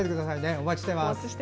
お待ちしてます。